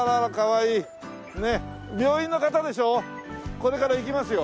これから行きますよ。